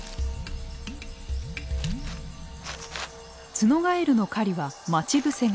ツノガエルの狩りは待ち伏せ型。